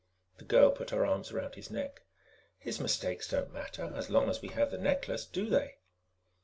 The girl put her arms around his neck. "His mistakes don't matter as long as we have the necklace, do they?"